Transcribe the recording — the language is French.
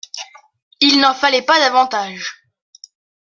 Il n'en fallait pas davantage.